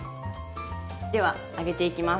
では揚げていきます。